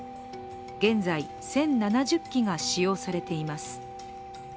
現在、１０７０基が使用されています。